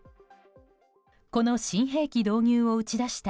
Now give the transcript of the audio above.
この新兵器導入を打ち出した